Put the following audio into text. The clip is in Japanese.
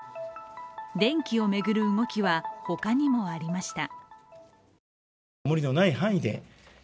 電気を巡る動きは、他にもありました。